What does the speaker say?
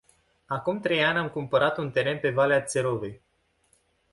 Acum trei ani am cumpărat un teren pe valea Țerovei.